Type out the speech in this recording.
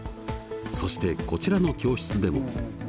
そしてこちらの教室でも。